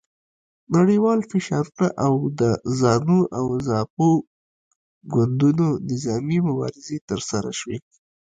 نړیوال فشارونه او د زانو او زاپو ګوندونو نظامي مبارزې ترسره شوې.